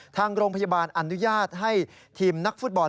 ทางโรงพยาบาลอนุญาตให้ทีมนักฟุตบอล